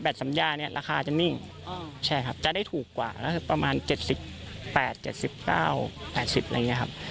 แบบสัญญาเนี้ยราคาจะนิ่งอ๋อใช่ครับจะได้ถูกกว่าแล้วคือประมาณเจ็ดสิบแปดเจ็ดสิบเก้าแปดสิบอะไรอย่างเงี้ยครับ